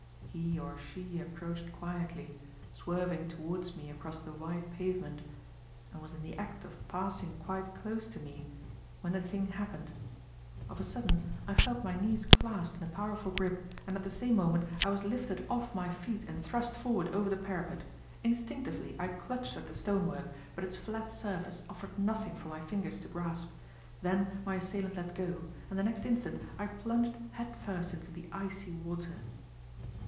He or she approached quietly, swerving towards me across the wide pavement, and was in the act of passing quite close to me when the thing happened. Of a sudden, I felt my knees clasped in a powerful grip, and at the same moment I was lifted off my feet and thrust forward over the parapet. Instinctively, I clutched at the stonework, but its flat surface offered nothing for my fingers to grasp. Then my assailant let go, and the next instant I plunged head first into the icy water.